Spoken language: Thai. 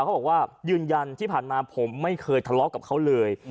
เขาบอกว่ายืนยันที่ผ่านมาผมไม่เคยทะเลาะกับเขาเลย